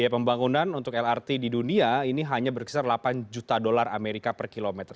pembangunan untuk lrt di dunia ini hanya berkisar delapan juta dolar amerika per kilometer